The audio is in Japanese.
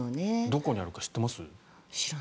どこにあるか知ってます？